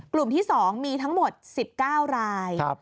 กลุ่มที่๒มีทั้งหมด๑๙ราย